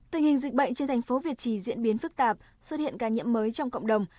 tình hình dịch bệnh trên thành phố việt trì diễn biến phức tạp xuất hiện ca nhiễm mới trong cộng đồng